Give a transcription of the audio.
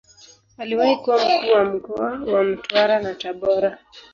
Aliwahi kuwa Mkuu wa mkoa wa Mtwara na Tabora.